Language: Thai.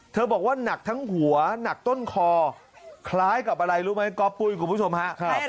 บอกว่าหนักทั้งหัวหนักต้นคอคล้ายกับอะไรรู้ไหมก๊อปปุ้ยคุณผู้ชมฮะ